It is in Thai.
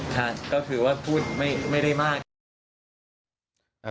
ค่ะก็คือว่าพูดไม่ได้มากครับ